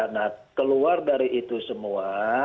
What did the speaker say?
nah keluar dari itu semua